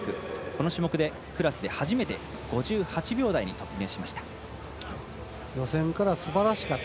このクラスで初めて５８秒台に突入しました。